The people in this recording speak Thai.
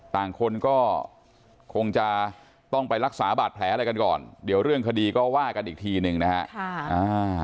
ต่างคนก็คงจะต้องไปรักษาบาดแผลอะไรกันก่อนเดี๋ยวเรื่องคดีก็ว่ากันอีกทีหนึ่งนะฮะ